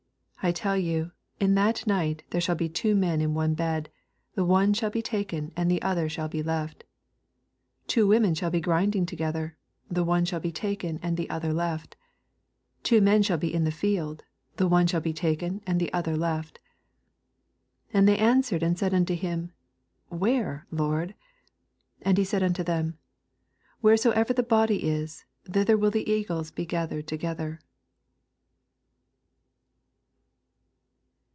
34 I tell yon, in that night there shall be two men in one bed ; the one shall be taken, and the other shall be left. 35 Two women shall be ^ndiuff together ; tlie one shall be taken, ana the other left. 36 Two men shall be in the field ; the one shall be taken, and the other left. 37 And they answered and said unto him, Where, Lord ? And he said unto them, Wheresoever the body is. thither will the eagles be gathered together.